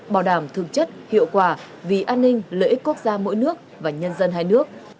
bảo đảm thực chất hiệu quả vì an ninh lợi ích quốc gia mỗi nước và nhân dân hai nước